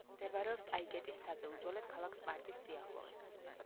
მდებარეობს ტაიგეტის მთაზე, უძველეს ქალაქ სპარტის სიახლოვეს.